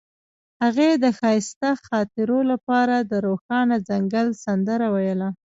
هغې د ښایسته خاطرو لپاره د روښانه ځنګل سندره ویله.